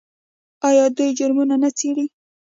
آیا دوی جرمونه نه څیړي؟